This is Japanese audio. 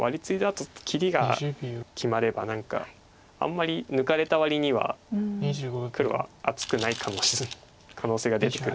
あと切りが決まれば何かあんまり抜かれた割には黒は厚くないかも可能性が出てくるので。